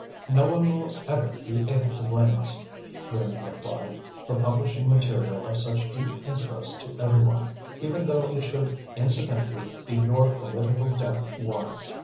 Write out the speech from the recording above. "No one will ever be able to blame us," Greening replied, "for publishing material of such deep interest to every one, even though it should incidentally be your political death warrant.